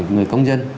người công dân